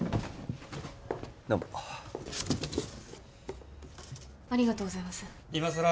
どうもありがとうございます今さら